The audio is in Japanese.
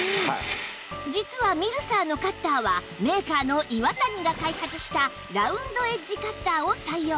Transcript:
実はミルサーのカッターはメーカーのイワタニが開発したラウンドエッジカッターを採用